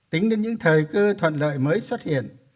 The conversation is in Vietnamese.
tính đến những thời cơ thuận lợi mới xuất hiện